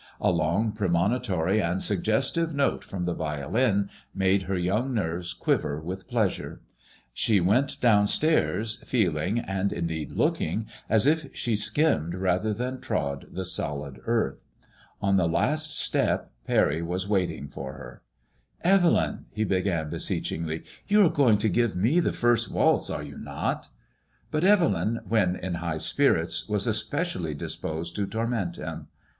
A long pre monitory and suggestive note from the violin made her young nerves quiver with pleasure. She went dovmstairs feeling, and in deed looking, as if she skimmed rather than trod the solid earth. On the last step Parry was wait ing for her. Evelyn,'' he began, beseech "^gly» "you are going to give , me the first walt2, are you not 7 " But Bvelyn, when in high spirits, was especially disposed to torment him.